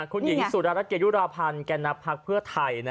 คุณหญิงสุดารัฐเกยุราพันธ์แก่นับพักเพื่อไทย